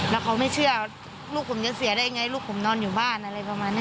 แล้วเขาไม่เชื่อลูกผมจะเสียได้ยังไงลูกผมนอนอยู่บ้านอะไรประมาณนี้